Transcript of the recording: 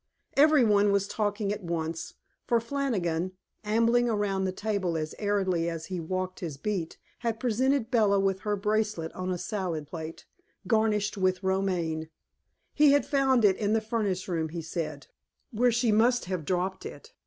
Every one was talking at once, for Flannigan, ambling around the table as airily as he walked his beat, had presented Bella with her bracelet on a salad plate, garnished with romaine. He had found it in the furnace room, he said, where she must have dropped it.